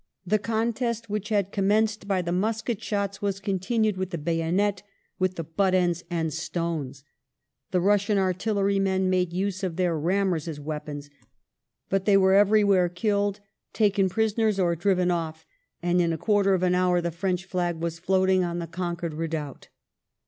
The contest which had commenced by the musket shots was con tinued with the bayonet, with the butt ends, and stones ; the Russian artillery men made use of their rammers as weapons ; but they were everywhere killed, taken prisoners, or driven off, and in a quarter of an hour the French flag was floating on the conquered Redoubt."